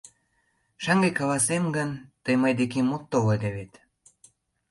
— Шаҥге каласем гын, тый мый декем от тол ыле вет...